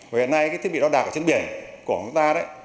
và hiện nay cái thiết bị đo đạc ở trên biển của chúng ta đấy